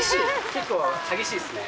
結構激しいですね。